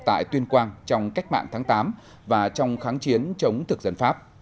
tại tuyên quang trong cách mạng tháng tám và trong kháng chiến chống thực dân pháp